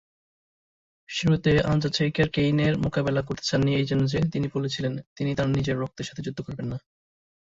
শুরুতে আন্ডারটেকার কেইন-এর মোকাবেলা করতে চাননি এই জন্য যে, তিনি বলেছিলেন, তিনি তার নিজের রক্তের সাথে যুদ্ধ করবেন না।